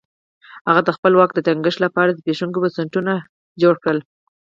هغه د خپل واک د ټینګښت لپاره زبېښونکي بنسټونه جوړ کړل.